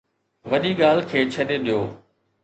وڏي ڳالهه کي ڇڏي ڏيو.